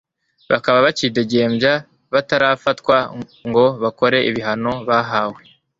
bakaba bakidegembya batarafatwa ngo bakore ibihano bahawe